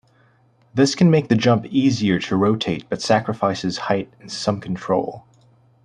This can make the jump easier to rotate but sacrifices height and some control.